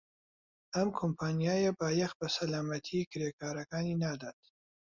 ئەم کۆمپانیایە بایەخ بە سەلامەتیی کرێکارەکانی نادات.